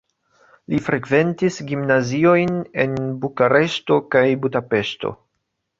Li frekventis gimnaziojn en Bukareŝto kaj Budapeŝto.